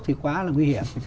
thì quá là nguy hiểm